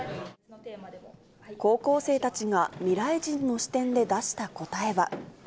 高校生たちが未来人の視点で出した答えは。